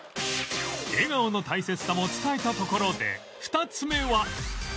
笑顔の大切さも伝えたところで２つ目は